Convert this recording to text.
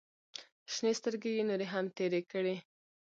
شنې سترګې يې نورې هم تېرې کړې.